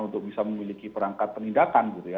untuk bisa memiliki perangkat penindakan gitu ya